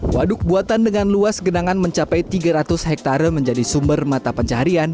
waduk buatan dengan luas genangan mencapai tiga ratus hektare menjadi sumber mata pencaharian